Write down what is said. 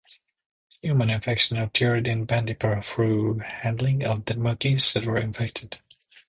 Human infection occurred in Bandipur through handling of dead monkeys that were infected.